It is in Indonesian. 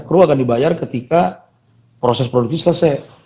kru akan dibayar ketika proses produksi selesai